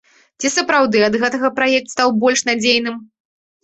Ці сапраўды ад гэтага праект стаў больш надзейным?